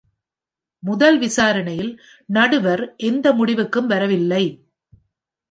முதல் விசாரணையில், நடுவர் எந்த முடிவுக்கும் வரவில்லை.